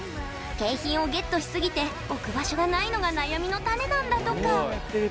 景品をゲットしすぎて置く場所がないのが悩みの種なんだとか。